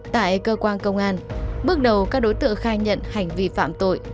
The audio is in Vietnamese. tại cơ quan công an bước đầu các đối tượng khai nhận hành vi phạm tội